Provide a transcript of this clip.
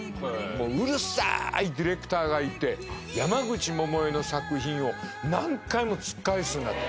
うるさいディレクターがいて山口百恵の作品を何回も突き返すんだって。